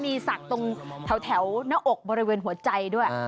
มีศักดิ์ตรงแถวหน้าอกบริเวณหัวใจด้วย